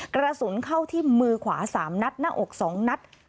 กระสุนเข้าที่มือขวา๓นัดหน้าอก๒นัด